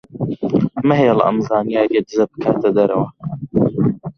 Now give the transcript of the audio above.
مەهێڵە ئەم زانیارییە دزە بکاتە دەرەوە.